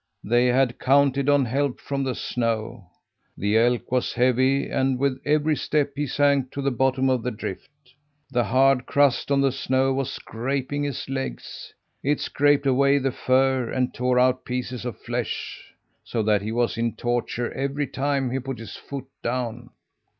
They had counted on help from the snow. The elk was heavy, and with every step he sank to the bottom of the drift. The hard crust on the snow was scraping his legs. It scraped away the fur, and tore out pieces of flesh, so that he was in torture every time he put his foot down.